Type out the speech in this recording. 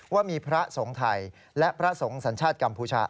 ว่ามีพระสงฆ์ไทยและพระสงฆ์สัญชาติกัมพูชา